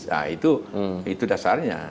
nah itu dasarnya